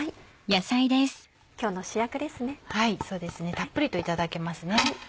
たっぷりといただけますね。